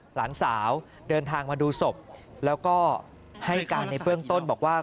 หลานสาวเดินทางมาดูศพแล้วก็ให้การในเบื้องต้นบอกว่า